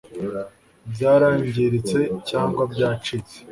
Byarangiritse cyangwa byacitse